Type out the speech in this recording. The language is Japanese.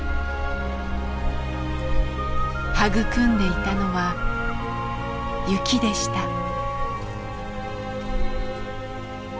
育んでいたのは雪でした。